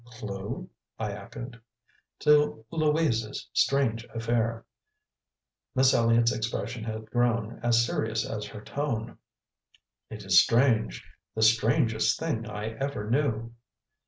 "'Clue'?" I echoed. "To Louise's strange affair." Miss Elliott's expression had grown as serious as her tone. "It is strange; the strangest thing I ever knew."